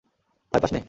ভয় পাস নে!